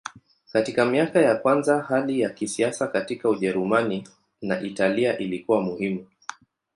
Katika miaka ya kwanza hali ya kisiasa katika Ujerumani na Italia ilikuwa muhimu.